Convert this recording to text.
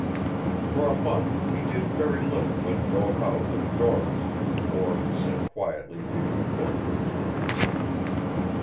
For a month he did very little but go about with Doris, or sit quietly reading a book in his room.